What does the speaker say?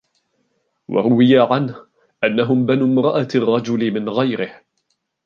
وَرُوِيَ عَنْهُ أَنَّهُمْ بَنُو امْرَأَةِ الرَّجُلِ مِنْ غَيْرِهِ